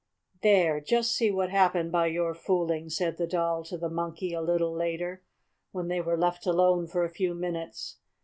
"There! Just see what happened by your fooling!" said the Doll to the Monkey a little later, when they were left alone for a few minutes.